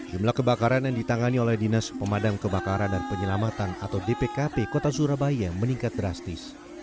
jumlah kebakaran yang ditangani oleh dinas pemadam kebakaran dan penyelamatan atau dpkp kota surabaya meningkat drastis